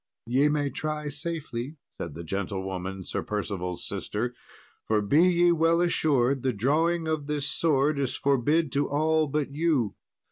"Ye may try safely," said the gentlewoman, Sir Percival's sister, "for be ye well assured the drawing of this sword is forbid to all but you.